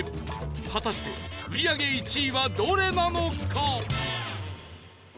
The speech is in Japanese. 果たして売り上げ１位はどれなのか？